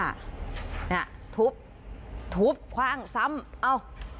เนี่ยทุบทุบคว่างซ้ำเอ้า